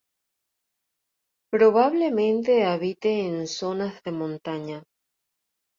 Probablemente habite en zonas de montaña.